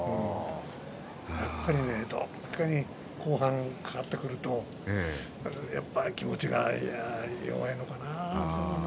やっぱり、どこかに後半かかってくると気持ちが弱いのかな